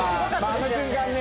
あの瞬間ね